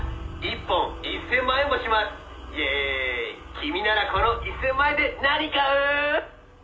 「君ならこの１０００万円で何買う？」